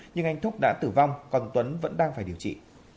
nhưng anh thúc đã tử vong còn tuấn vẫn đang phải điều trị